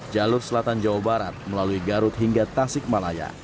jalur selatan jawa barat melalui garut hingga tasik malaya